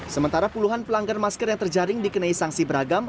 sementara puluhan pelanggar masker yang terjaring dikenai sanksi beragam